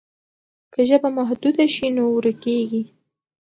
که ژبه محدوده شي نو ورکېږي.